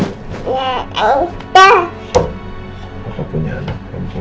lo tumbena amat malem ini